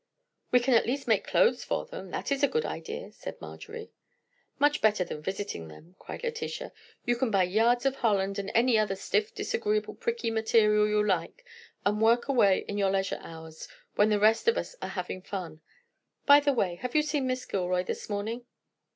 "We can at least make clothes for them; that is a good idea," said Marjorie. "Much better than visiting them," cried Letitia. "You can buy yards of holland and any other stiff, disagreeable, pricky material you like, and work away in your leisure hours when the rest of us are having fun. By the way, have you seen Miss Gilroy this morning?"